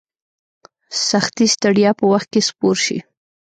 سختي ستړیا په وخت کې سپور شي.